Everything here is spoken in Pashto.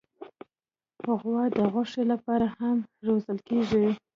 غوا د غوښې لپاره هم روزل کېږي.